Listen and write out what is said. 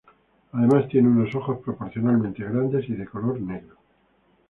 Además tiene unos ojos proporcionalmente grandes y de color negro.